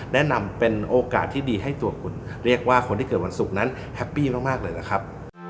แนะนำเป็นโอกาสที่ดีให้ตัวคุณเรียกว่าคนที่เกิดวันศุกร์นั้นแฮปปี้มากเลยนะครับ